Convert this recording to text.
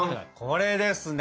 これですね！